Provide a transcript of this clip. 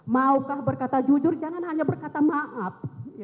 maukah berkata jujur jangan hanya berkata maaf